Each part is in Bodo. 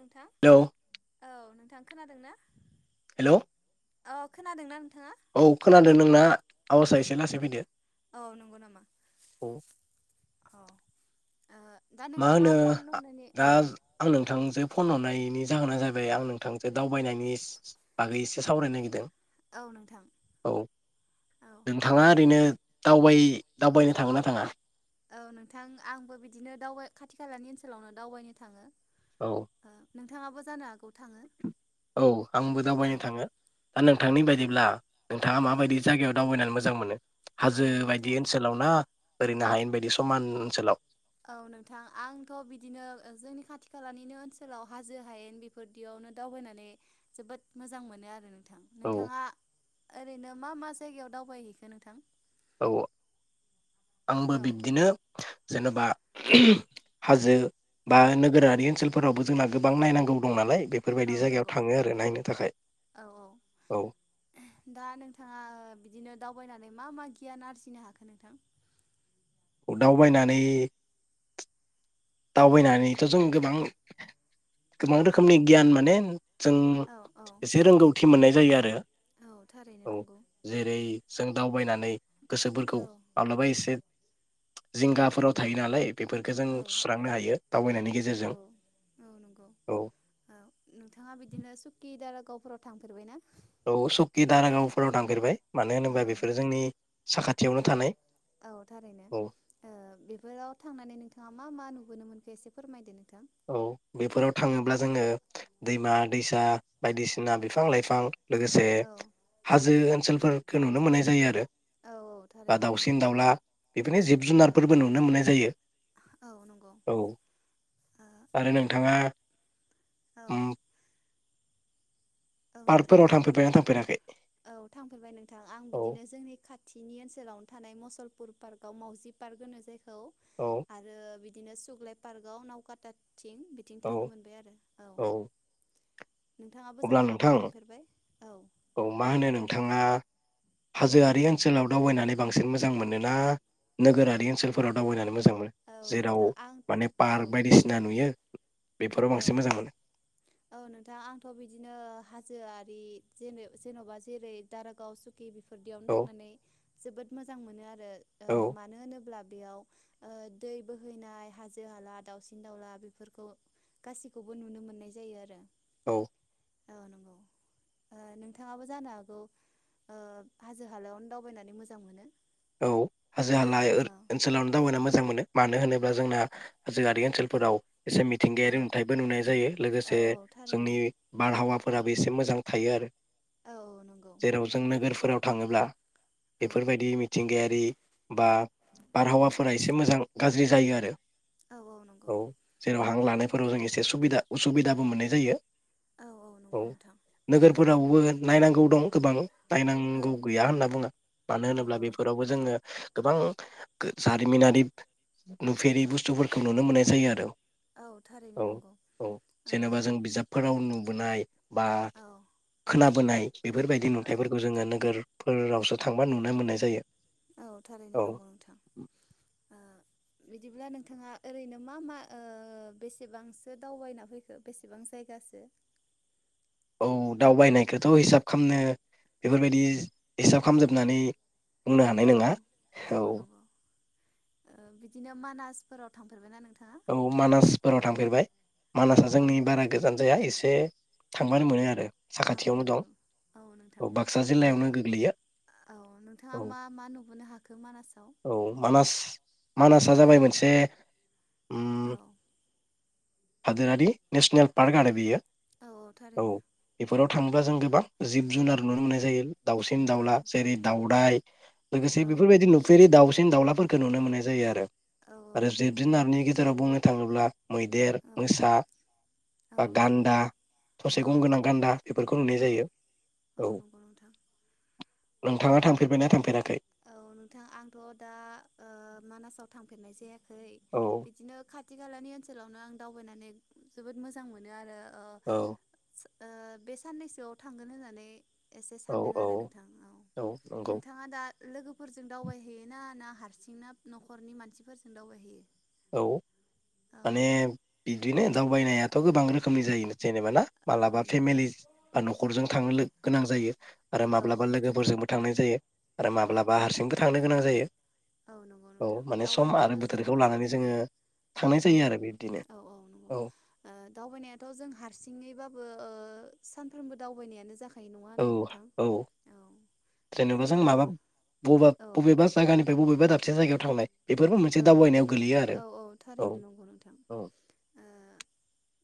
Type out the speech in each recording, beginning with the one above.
नोंथां हेलौ औ नों थां खोनादों ना हेल' अ खोनादों न नोंथां औ खोनादों नोंना आवाजा एसे लासै फैदो औ नंगौ नामा औ औ मा होनो दा औ आं नोंथां जो फन हरनायनि जाहोना जाबाय आं नोंथांजों दावबायनायनि बागै एसे सावरायनो औ नोंथां नागिरदों औ औ नोंथाङा ओरैनो दावबाय दावबायनो थाङो ना थाङा औ नोंथां आंबो बिदिनो दावबाय खाथि खालानि ओनसोलावनो दावबायनो थाङो औ थाङाबो जानो हागौ थाङो औ आंबो औ दावबायनो थाङो दा औ नोंथांनि नोंथां बायदिब्ला नोंथाङा औ माबायदि जायगायाव दावबायनानै मो मोजां मोनो हाजो औ बायदि नोंथां ओनसोलाव ना ओरैनो हायेन बायदि समान ओनसोलाव औ नोंथां आंथ' बिदिनो जोंनि खाथि खालानिनो ओनसोलाव हाजो हायेन बेफोरदियावनो दावबायनानै जोबोद मोजां मोनो आरो नों थां औ नोंथाङा ओरैनो मा मा जायगायाव दावबायहैखो नोंथां औ आंबो औ बिब्दिनो जेनेबा हाजो बा नोगोरारि ओनसोलफोरावबो जोंना गोबां नायनांगौ दं नालाय बेफोरबायदि औ जायगायाव नंगौ थाङो आरो नायनो थाखाय औ औ औ दा नोंथाङा बिदिनो दाव बायनानै मा मा गियान आरजिनो हाखो नोंथां दावबायनानै दावबायनानैथ' जों गोबां गोबां औ रोखोमनि गियान माने जों औ औ एसे रोंगौथि मोननाय जायो आरो औ थारैनो औ नंगौ जेरै जों दावबायनानै गोसोफोरखौ औ माब्लाबा एसे औ जिंगाफोराव नंगौ थायो नालाय बेफोरफोरखो जों औ सुस्रांनो हायो दावबायनायनि औ गेजेरजों औ नंगौ औ गावफोराव थांफेरबाय ना? औ सुकि दारागावफोराव थांफेरबाय मानो औ होनोबा बेफोरो जोंनि साखाथियावनो औ थानाय औ थारैनो औ ओ बेफोराव थांनानै नोंथाङा मा मा नुबोनो मोनखो एसे फ फोरमायदो नोंथां औ बेफोराव थाङोब्ला जोङो दैमा दैसा बायदिसिना बिफां लाइफां लोगोसे औ हाजो ओनसोलफोरखौ नुनो मोननाय जायो आरो। औ औ बा थारैनो नंगौ दाउसिन दाउला बिदिनो जिब जुनारफोरबो नुनो मोननाय जायो। औ नंगौ। औ ओ आरो नोंथाङा औ उम्म औ नोंथां थांफेरबायना थांफेराखै औ थांफेरबाय नोंथां आं औ बिदिनो जोंनि खाथिनि ओनसोलावनो थ थानाय मसलपुर पार्कआव मावजि पार्क होनो जायख औ‌ औ आरो बि बिदिनो सुग्लाय पार्काव नावकाता थिं बिथिं औ थांनो मोनबाय आरो औ। नोंथाङाबो जानो हाग थां औ मा होनो नोंथाङा हाजोआरि औ ओनसोलाव दावबायनानै बांसिन मोजां मोनोना नोगोरारि ओनसोलफोराव दावबायनानै मोजां मोनो? औ मोनो जेराव नोंथां आं माने औ पार्क बायदिसिना नुयो। बेफोराव बांसिन मोजां मोनो थ' बिदिनो हाजोआरि जेने-जेन'बा जेरै दारागाव सुक दि बेफोरदियावनो औ थांनानै जोबोद मोजां मोनो आरो। औ मानो होनोब्ला बेयाव ओ दै बोहैनाय हाजो हाला दावउसिन दाउला बेफोरखौ गासैखौबो नुनो मोननाय जायो आरो। औ। औ नंगौ नोंथाङाबो जानो हागौ ओ हाजो हालायावनो दावबायनानै मोजां मोनो। औ हाजो हाला औ ओनसोलावनो दावबायना मोजां मोजां मोनो मानो होनोबा जोंना हाजोआारि ओनसोलफोराव एसे औ मिथिंगायारि नुथायबो नुनाय जायो औ लोगोसे औ जोंनि थारैनो बारहावा फोराबो एसे मोजां थायो आरो। औ औ नंगौ जेराव जों नोगोरफोराव थाङोब्ला औ बेफोरबायदि मिथिंगायारि बा बारहावाफोरा एसे मोजां गाज्रि जायो आरो। औ नंगौ औ जेराव हां औ लानायफोराव जों एसे सुबिदा उसुबिदाबो मोननाय जायो। औ औ नंगौ नोंथां। फोरावबो नायनांगौ दं गोबां औ नायनांगौ गैया होनना बुङा। मानो औ होनोब्ला औ बेफोर जोङो गोबां जारिमिनारि नुफेरि बुस्थुफोरखौ नुनो मोननाय जायो आरो। औ थारैनो औ नंगौ औ ओ जेनेबा जों बिजाब फोराव नुबोनाय बा औ खोना बोनाय बेफोरबायदि औ नुथाइफोरखौ जोङो नोगोरफोरावसो थांबा नुनो मोननाय जायो। औ थारैनो औ नंगौ नोंथां बिदिब्ला नोंथां नोंथाङा ओरैनो मा मा बेसेबांसो दावबायना फैखो बेसेबां जायगासो? औ दावबायनायखौथ' हिसाब खालामनो बेफोरबायदि हिसाब खालामजोबनानै बुंनो हानाय औ नङा। औ बिदिनो मानासफोराव थांफेरबायना नों औ मानासफोराव थांफेरबाय। औ मानासआ मा जोंनि बारा गोजान जाया एसे एसे थांबानो मोनो आरो। औ साखाथियावनो दं नंगौ औ नोंथां बाक्सा जिल्लायावनो गोग्लैयो औ नोंथाङा औ मा मा नुबोनो हाखो मानासाव? औ मानास मानासआ जाबाय मोनसे उम औ हादोरारि नेसनेल पार्क आरो बियो। औ थारैनो। थाङोबा जों गोबां जिब जुनार नुनो मोननाय जायो। दावसिन औ दाउला जेरै दाउराइ, लोगोसे औ बेफोरबायदि नुफेरि दाउ सिन दावउलाफोरखो नुनो मोननाय जायो आरो। औ आरो नंगौ जिब-जुनारनि गेजेराव बुंनो थाङोब्ला मैदेर, औ मोसा औ बा नंगौ गान्दा थ'से औ गं गोनां गान्दा बेफोरखौ नुनाय औ जायो। औ नंगौ नोंथां नोंथाङा थांफेरबायना थांफेरा औ नोंथां आंथ दा ओ मानासाव फथांफेरनाय जाया खै औ बिदिनो खाथि खालानि ओन फोरावनो आं दावबायनानै जोबोद मोजां मोनो आरो। ओ औ। ओ बे साननैसोआव थांगोन होननानै एसे औ सान्दों औ आरो नोंथां औ नोंथाङा दा लोगोफोरजों दावबायहैयोना ना हारसिं ना नखरनि मानसिफोरजों दावबायहैयो? औ औ माने बि दिनो दावबायनायाथ' गोबां रोखोमनि जायो। जेनेबा ना औ मालाबा नंगौ फेमिलि न'खरजों थांनो गोनां जायो आरो औ माब्लाबा लोगोफोरजोंबो थांनाय जायो। आरो औ माब्लाबा हारसिंबो थांनो गोनां जायो। औ नंगौ औ नोंथां माने सम दावबायनायाथ' आरो जों बोथोरखौ औ। लानानै जोङो थांनाय औ जायो आरो बिब्दिनो औ औ ओ दावबायनायाथ जों हारसिङैबाबो ओ सानफ्रोमबो दावबायनायानो जाख औ औ जेनबा जों बिदिनो माबा बबबा ओ बबेबा जायगानिफ्राय बबेबा दाब से जायगायाव थांनाय बेफोरबो मोनसे औ दावबायनायाव गोलैयो आरो औ औ थारैनो नंगौ नोंथां औ। ओ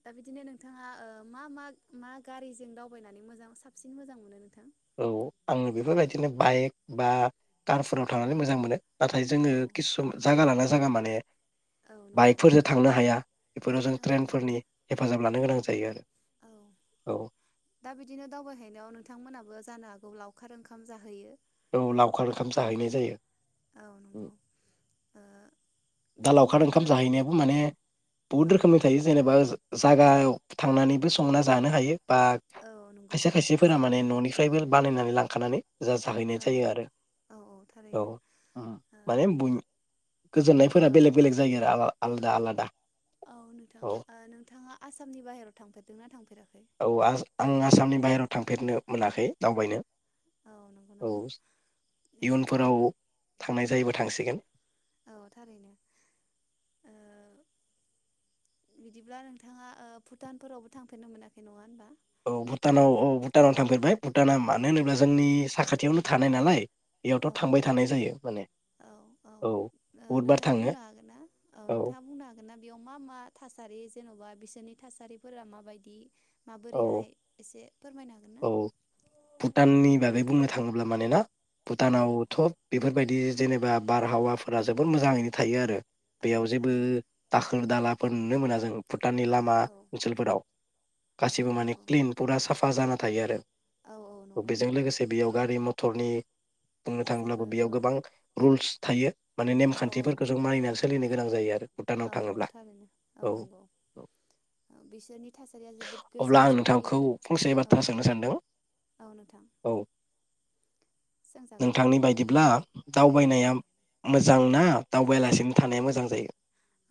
दा बिदिनो नोंथाङा ओ मा मा मा गारिजों दावबायनानै मोजां साबसिन मोजां मोनो। नोंथां बिदिनो बाइक बा कारफोराव औ थांनानै मोजां मोनो नाथाय औ जोङो किसुम जागा लाना जागा माने औ नंगौ बाइकफोरजों थांनो हाया बेफोराव जों औ ट्रेनफोरनि थारैनो हेफाजाब लानो गोनां जायो आरो। औ औ दा बिदिनो दावबायहैनायाव नोंथांमोनहाबो जानो हाग गौ लावखार ओंखाम जाहैयो। औ लावखार ओंखाम जाहैनाय जायो। औ नंगौ ओ दा बिदिनो लावखार ओंखाम नोंथां जाहैनायाब माने बहुत औ रोखोमनि थायो जेनेबा ओ जायागायाव थांनानैबो संना जानो हायो। बा औ नंगौ खायसे खायसेफोरा माने न'नि ट्राइबेल बानायनानै लांखानानै जाजाहैनाय औ जायो आरो औ औ थारैनो उम माने बुम गोजोननाय फोरा ओ बेलेग बेलेग जायो आरो आलो-आलादा आलादा। औ नोंथां औ ओ नोंथाङा आसामनि बाहेरायाव थांफेरदों ना थांफेरा औ आस आ आं आसामनि बाहेरायाव थांफेरनो मोनाखै दावबायनो औ नंगौ औ नामा औ इयुनफोराव थांनाय जायोबा थांसिगोन औ थारैनो ओ बिदिब्ला नोंथाङा ओ भुटानफोरावबो थांफेरनो मोनाखै नङा होनबा? औ भुटानाव औ भुटानाव थांफेरबाय भुटाना मानो होनोब्ला जोंनि साखाथियावनो थानाय नालाय। औ औ बेयावथ' थांबाय थानाय जायो माने औ औ ओ बहुदबार नोंथाङा थाङो बुंनो हागोनना औ नोंथाङा बुंनो हागोनना बेयाव मा मा थासारि जेन'बा बि बिसोरनि थासारिफोरा माबायदि औ माबोरैहाय एसे फोरमायनो हागोन ना औ भुटाननि बागै बुंनो थाङोब्ला माने ना औ भुटानावथ' बेफोरबाय बिदि जेनेबा बारहावाफोरा जोबोद मोजाङैनो थायो आरो औ बेयाव जेबो थारैनो दाखोर दाला फोर नुनो मोना जों भुटाननि लामा औ ओनसोलफोराव औ गासिबो माने नंगौ क्लिन फुरा साफा आजाना थायो औ औ आरो नंगौ बेजों नोंथां लोगोसे बेयाव गारि म क्टरनि बुंनो थाङोब्लाबो जेबो बेयाव औ गोबां रुल्स थायो माने औ नेमखान्थिफोरखौ जों मानिनानै सोलिनाय गोनां जायो आरो भुटानाव औ औ थाङोब्ला थारैनो औ नंगौ औ बिसोरनि थासारिया जोबोद गोजोन सान्थि आरो औ खोथा सोंनो सानदों औ नोंथां औ सोंजागोन नोंथांनि बायदिब्ला औ दावबायनाया मो जांना दावबायालासिनो थानाया मोजां जायो।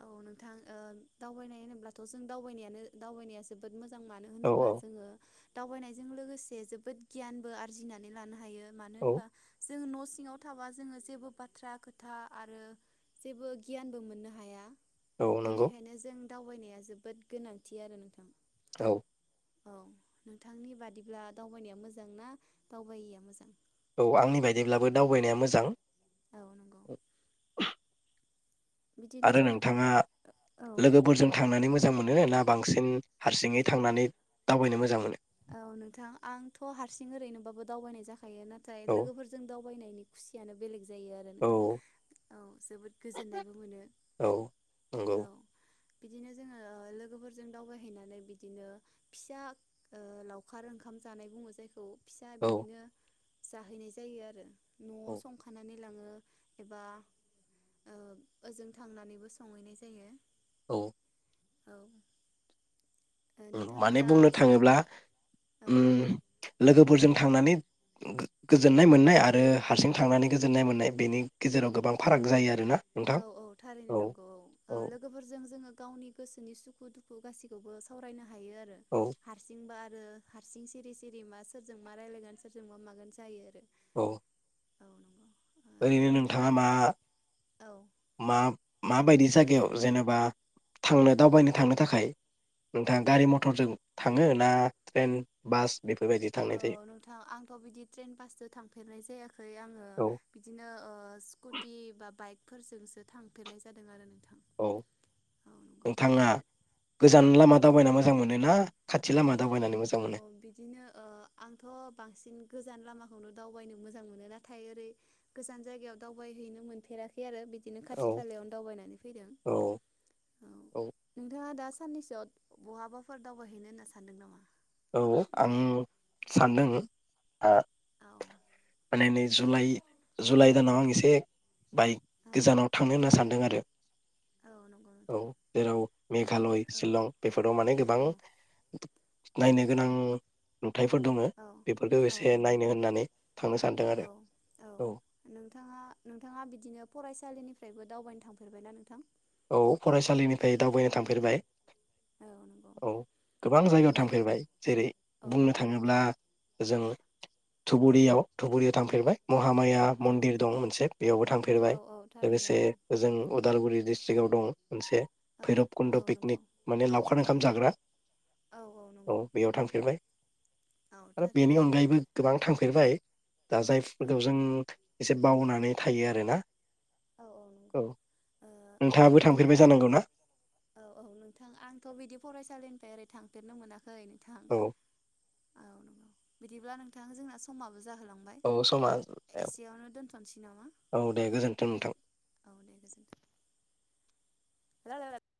औ नोंथां ओ दावबायनाय होनोब्लाथ' जों दावबायनायानो दावबायनाया जोबोद मो जां मानो औ होनोब्ला जोङो दावबायनायजों लोगोसे जोबोद गियानबो आरजिनानै लानो हायो। मानो होनबा औ जोङो न' सिङाव थाबा जोङो जेबो बाथ्रा खोथा आरो जेबो गियानबो मोननो हाया। औ नंगौ बेनिखायनो जों दावबायनाया जोबोद गोनांथि आरो नोंथां। औ औ नोंथांनि बादिब्ला दावबायनाया मोजां ना दावबायिया मोजां? औ आंनि बायदिब्लाबो दावबायनाया मोजां। औ नंगौ। बिदिनो आरो जों नोंथाङा औ लोगोफोरजों थांनानै मोज मोजां मोनो ना बांसिन हारसिङै थांनानै दावबायनो मोजां मोनो? औ नोंथां आंथ' हारसिं ओरैनोबाबो दावबायनाय जाखा थायो नाथाय औ लोगोफोरजों दावबायनायनि खुसियानो बेलेग जायो आरो नोंथां औ औ जोबोद गोजोननायबो मोनो। औ नंगौ औ। बिदिनो जोङो ओ लोगोफोरजों दावबायहैनानै बिदिनो फिसा ओ लावखार ओंखाम जानाय बुङो जायखौ फिसा औ बिदिनो जाहैनाय जायो आरो न'आव औ संखानानै लाङो एबा ओ ओजों थांनानैबो संहैनाय जायो। औ औ ओ ओम नोंथाङा माने दा बुंनो थाङोब्ला औ उम लोगोफोरजों थांनानै गो गोजोननाय मोननाय आरो हारसिं थांनानै गोजोननाय मोननाय बेनि गेजेराव गोबां फाराग जायो आरोना। नोंथां औ औ थारैनो नंगौ औ ओ लोगोफोरजों जोङो गावनि गोसोनि सुख खु दुखु गासिखौबो सावरायना हायो आरो औ हारसिंबा रो हारसिं सिरि-सिरि मा सोरजों मा रायलायगोन सोरजों मा मागोन जायो आरो औ औ ओरैनो नंगौ ओ नोंथाङा मा औ मा माबायदि जायगायाव जेनेबा थांनो दावबायनो थांनो थाखाय औ नोंथाङा गारि मथरजों थाङो ना ट्रेन बास बेफोरबायदि थांनाय जायो औ नोंथां आंथ' बिदि ट्रेन बासजों थांफेरनाय जायाखै आङो औ बिदिनो ओ स्कुटि बा बाइक फोरजोंसो थांफेरनाय जादों आरो नोंथां। औ औ नंगौ नोंथाङा औ गोजान लामा दावबायना मोजां मोन ना खाथि लामा दावबायनानै मोजां औ मोनो बिदिनो ओ आंथ' बांसिन गोजान लामा नो दावबायनो मोजां मोनो नाथाय ओरै गोजान जायगायाव दावबाय हैैनो मोनफेराखै आरो बि दिनो खाथि औ खालायावनो दावबायनानै फैदों। औ औ नोंथाङा दा साननैसोआव बहाबाफोर दावबायहैनो होनना सानदों नामा? औ आं सानदों ओ औ नै जुलाइ जुलाइ दानाव आं एसे बाइक औ गोजानाव थांनो होनना सानदों आरो। औ नंगौ औ नोंथां जेराव बिदिनो मेघालय औ शिलं बेफोराव माने गोबां औ नायनो गोनां नुथायफोर दङ औ बेफोरखौ औ औ एसे नंगौ नायनो होननानै थांनो सानदों औ आरो औ नोंथाङा नोंथाङा बिदिनो फरायसालि निफ्रायबो दावबायनो थांफेरबायना नोंथां? औ फरायसालिनिफ्राय दावबायनो थांफेरबाय। औ नंगौ औ गोबां जायगायाव बिदिनो थांफेरबाय जेरै औ बुंनो थाङोब्ला जों धुबुरियाव धुबुरियाव थांफेरबाय। महामाया औ मन्दिर दं मोनसे बेयावबो औ थांफेरबाय औ थारैनो लोगोसे ओजों उदालगुरि डिस ट्रिङाव दं। मोनसे औ भैरब औ कुन्द' पिकनिक नंगौ माने लावखा र ओंखामा जाग्रा। औ औ नंगौ बेयाव थांफेरबाय औ आरो बेनि थारैनो अनगायैबो गोबां थांफेरबाय। दा औ जायफोरखौ जों नंगौ एसे बावनानै नानै थायो आरोना। औ औ नंगौ। नोंथाङाबो बिदिब्ला थांफेरबाय नोंथां जानांगौ ना औ औ नोंथां आंथ' बिदि फरायसालि निफ्राय ओरै थांफेरनो मोनाखै। खै नोंथां औ औ नंगौ। बिदिब्ला नोंथाङा जोंना समा औ समाज दोनथ'नोसै नामा औ दे गोजोनथों नोंथां। औ दे गोजोनथों। [unintelligible]